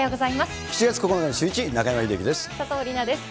７月９日シューイチ、中山秀征です。